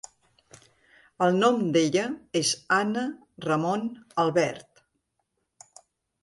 El nom d'ella és Anna Ramon Albert.